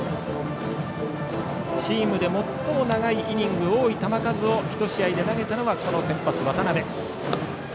チームで最も長いイニング多い球数を１試合で投げたのは先発の渡部。